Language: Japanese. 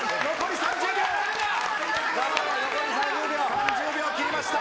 ３０秒切りました。